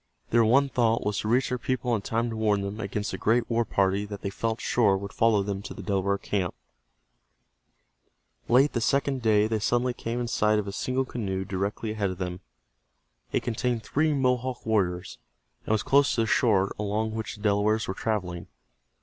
Their one thought was to reach their people in time to warn them against the great war party that they felt sure would follow them to the Delaware camp. Late the second day they suddenly came in sight of a single canoe directly ahead of them. It contained three Mohawk warriors, and was close to the shore along which the Delawares were traveling.